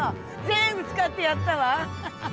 全部使ってやったわハハハ！